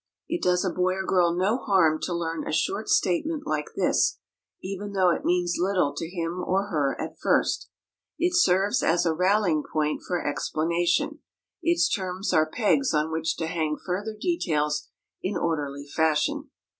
It does a boy or girl no harm to learn a short statement like this, even though it means little to him or her at first. It serves as a rallying point for explanation; its terms are pegs on which to hang further details in orderly fashion.